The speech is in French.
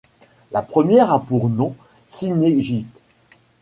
La première a pour nom Cynegyth.